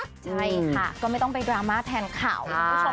ใช่ค่ะก็ไม่ต้องไปดราม่าแทนข่าว